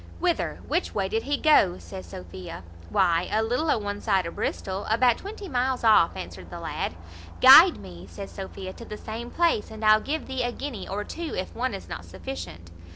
"Whither? which way did he go?" says Sophia. "Why, a little o' one side o' Bristol, about twenty miles off," answered the lad. "Guide me," says Sophia, "to the same place, and I'll give thee a guinea, or two, if one is not sufficient."